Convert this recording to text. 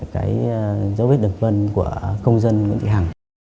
cái dấu vết đường vân của công dân nguyễn thị hằng